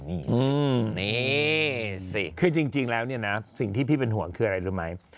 นี่สินี่สิคือจริงแล้วนะสิ่งที่พี่เป็นห่วงคืออะไรรู้ไหม